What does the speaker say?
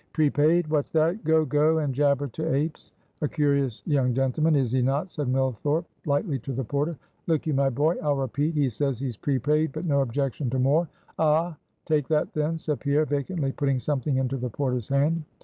"Prepaid; what's that? Go, go, and jabber to apes!" "A curious young gentleman, is he not?" said Millthorpe lightly to the porter; "Look you, my boy, I'll repeat: He says he's prepaid, but no objection to more." "Ah? take that then," said Pierre, vacantly putting something into the porter's hand.